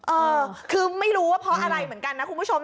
เออคือไม่รู้ว่าเพราะอะไรเหมือนกันนะคุณผู้ชม